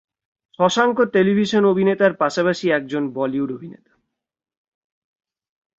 Shashanka television অভিনেতার পাশাপাশি একজন বলিউড অভিনেতা।